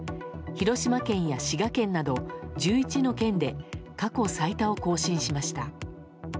広島県や滋賀県など１１の県で過去最多を更新しました。